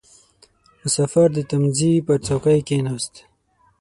• مسافر د تمځي پر څوکۍ کښېناست.